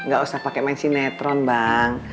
gak usah pake mensi netron bang